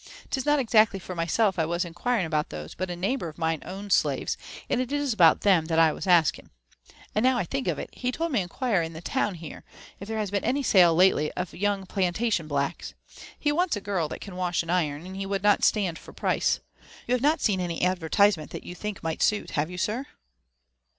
Tis not exactly for myself I was inquiring about the shoes ; but a neighbour of mine owns slaves, and it is about them that I was asking. And, now I think of it, he told me to inquire in the town here, if there has been any sale lately of young plantation blacks. He wants a girl that can wash and iron, and he would not stand for price. You have not seen any advertisement that you think might suit, ^have yoo, sir?